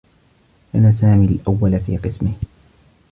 كان سامي الأوّل في قسمه.